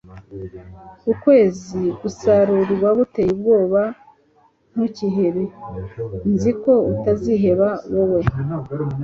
ukwezi gusarurwa guteye ubwoba ntukihebe. nzi ko utaziheba. wowe